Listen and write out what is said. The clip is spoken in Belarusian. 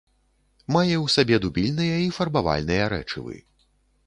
Мае ў сабе дубільныя і фарбавальныя рэчывы.